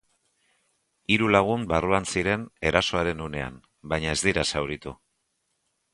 Hiru lagun barruan ziren erasoaren unean, baina ez dira zauritu.